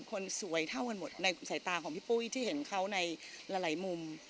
คนสวยเท่ากันหมดในสายตาของพี่ปุ้ยที่เห็นเขาในหลายมุม